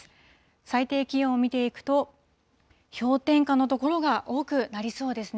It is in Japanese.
最低気温を見ていくと、氷点下の所が多くなりそうですね。